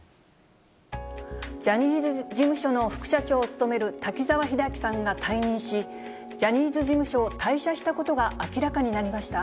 ジャニーズ事務所の副社長を務める滝沢秀明さんが退任し、ジャニーズ事務所を退所したことが明らかになりました。